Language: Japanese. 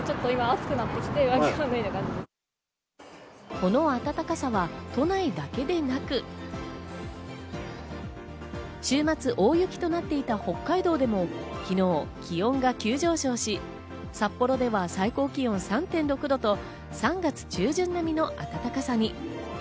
この暖かさは都内だけでなく、週末、大雪となっていた北海道でも昨日、気温が急上昇し、札幌では最高気温３．６度と３月中旬並みの暖かさに。